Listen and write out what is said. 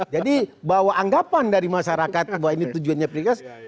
jadi bahwa anggapan dari masyarakat bahwa ini tujuannya pipi pres